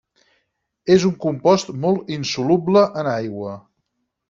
És un compost molt insoluble en aigua.